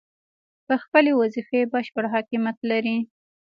پر خپلې وظیفې بشپړ حاکمیت لري.